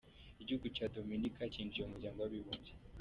Igihugu cya Dominika cyinjiye mu muryango w’abibumbye.